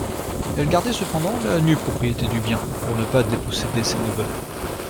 Elle gardait cependant la nue propriété du bien, pour ne pas déposséder ses neveux.